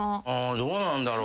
どうなんだろう。